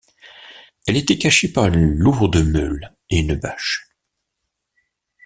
Elle était cachée par une lourde meule et une bâche.